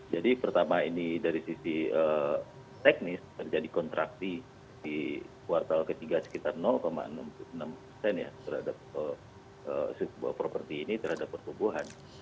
jadi pertama ini dari sisi teknis terjadi kontraksi di kuartal ketiga sekitar enam puluh enam persen ya terhadap sebuah properti ini terhadap pertumbuhan